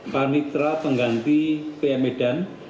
panik terapengganti pm medan